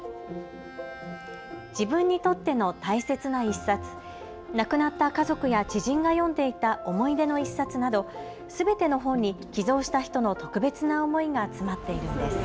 自分にとっての大切な１冊、亡くなった家族や知人が読んでいた思い出の１冊などすべての本に寄贈した人の特別な思いが詰まっているんです。